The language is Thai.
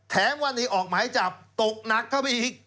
แถมวันนี้ออกหมายจับตกหนักเข้าไปอีก